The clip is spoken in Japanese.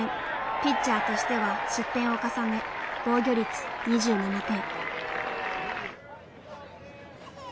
ピッチャーとしては失点を重ね防御率２７点。